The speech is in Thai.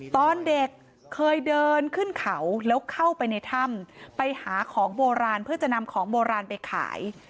ตอนเด็กเคยเดินขึ้นเขาแล้วเข้าไปในถ้ำไปหาของโบราณเพื่อจะนำของโบราณไปขาย